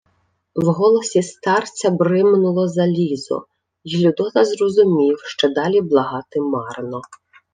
В голосі старця бримнуло залізо, й Людота зрозумів, що далі благати марно.